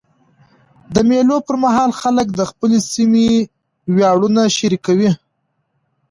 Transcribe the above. د مېلو پر مهال خلک د خپل سیمي ویاړونه شریکوي.